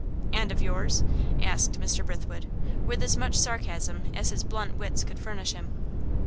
"And of yours?" asked Mr. Brithwood, with as much sarcasm as his blunt wits could furnish him.